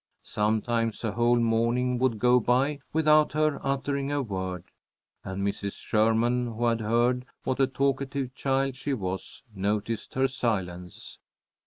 Sometimes a whole morning would go by without her uttering a word, and Mrs. Sherman, who had heard what a talkative child she was, noticed her silence.